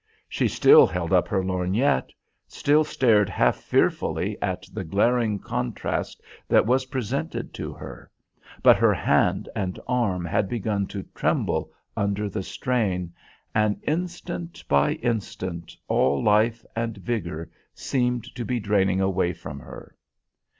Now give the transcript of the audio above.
She still held up her lorgnette, still stared half fearfully at the glaring contrast that was presented to her, but her hand and arm had begun to tremble under the strain, and, instant by, instant, all life and vigour seemed to be draining away from her.